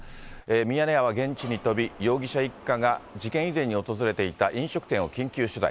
ミヤネ屋は現地に飛び、容疑者一家が事件以前に訪れていた飲食店を緊急取材。